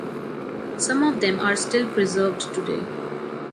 Some of them are still preserved today.